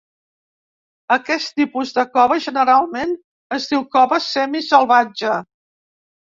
Aquest tipus de cova generalment es diu cova semisalvatge.